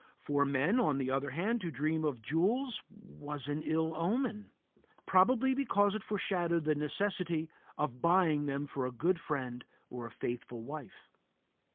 For men, on the other hand, to dream of jewels was an ill omen; probably because it foreshadowed the necessity of buying them for a good friend or a faithful wife.